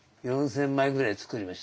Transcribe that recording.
４，０００枚ぐらいつくりましたよ。